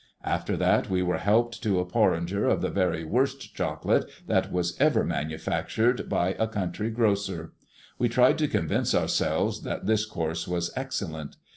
After that, we were helped to a porringer of the very worst chocolate that was ever manufactured by a country grocer. We tried to convince ourselves that this course was excellent.